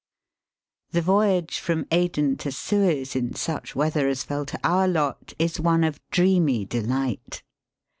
The voyage from Aden to Suez in such weather as fell to our lot is one of dreamy delight.